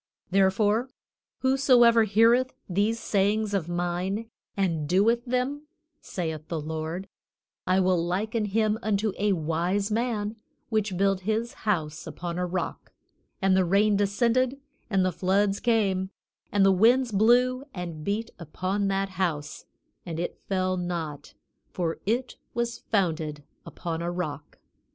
"Therefore, whosoever heareth these sayings of mine and doeth them," saith the Lord, "I will liken him unto a wise man which built his house upon a rock; and the rain descended, and the floods came, and the winds blew and beat upon that house; and it fell not, for it was founded upon a rock.